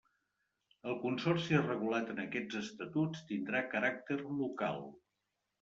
El Consorci regulat en aquests estatuts tindrà caràcter local.